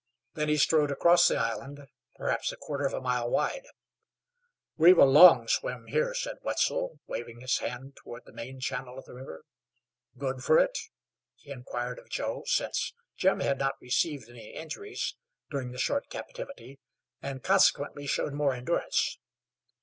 Then he strode across the island, perhaps a quarter of a mile wide. "We've a long swim here," said Wetzel, waving his hand toward the main channel of the river. "Good fer it?" he inquired of Joe, since Jim had not received any injuries during the short captivity and consequently showed more endurance.